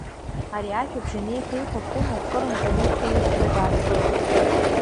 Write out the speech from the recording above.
Ари ажәабжь анеиҭеиҳәо Хәына кырантә Али ихы иқәкны дааҭгылалоит.